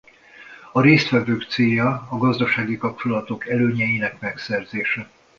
A résztvevők célja a gazdasági kapcsolatok előnyeinek a megszerzése.